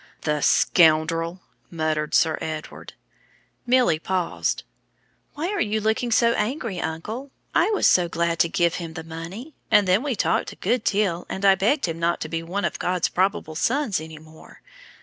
"The scoundrel!" muttered Sir Edward. Milly paused. "Why are you looking so angry, uncle? I was so glad to give him the money; and then we talked a good deal, and I begged him not to be one of God's probable sons any more.